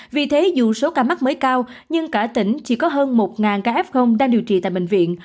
vì thế dù số ca mắc mới cao nhưng cả tỉnh chỉ có hơn một ca f đang điều trị tại bệnh viện